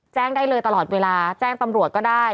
แจ้งได้เลยตลอดเวลาแจ้งตำรวจก็ได้